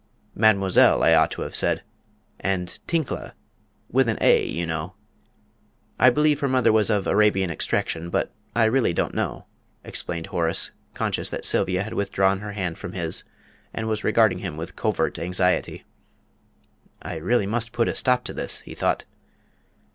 "Mademoiselle, I ought to have said. And Tinkla with an 'a,' you know. I believe her mother was of Arabian extraction but I really don't know," explained Horace, conscious that Sylvia had withdrawn her hand from his, and was regarding him with covert anxiety. "I really must put a stop to this," he thought.